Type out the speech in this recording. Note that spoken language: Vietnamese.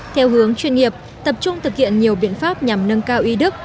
theo hướng chuyên nghiệp tập trung thực hiện nhiều biện pháp nhằm nâng cao y đức